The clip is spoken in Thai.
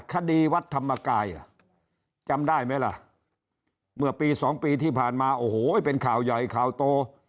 คดีวัดธรรมกายจำได้ไหมล่ะเมื่อปี๒ปีที่ผ่านมาโอ้โหเป็นข่าวใหญ่ข่าวโต